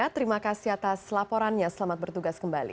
terima kasih atas laporannya selamat bertugas kembali